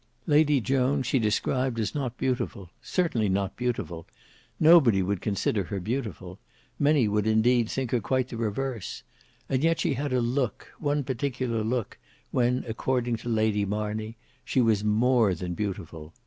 Lady Joan she described as not beautiful; certainly not beautiful; nobody would consider her beautiful, many would indeed think her quite the reverse; and yet she had a look, one particular look when according to Lady Marney, she was more than beautiful.